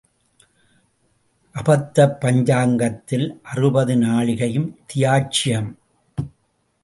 அபத்தப் பஞ்சாங்கத்தில் அறுபது நாழிகையும் தியாஜ்யம்.